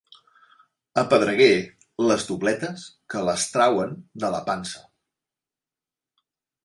A Pedreguer, les dobletes, que les trauen de la pansa.